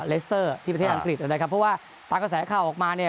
เลสเตอร์ที่ประเทศอังกฤษนะครับเพราะว่าตามกระแสข่าวออกมาเนี่ย